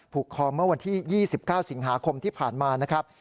คอเมื่อวันที่๒๙สิงหาคมที่ผ่านมานะครับ